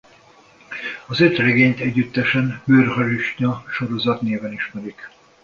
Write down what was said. Az öt regényt együttesen Bőrharisnya-sorozat néven ismerik.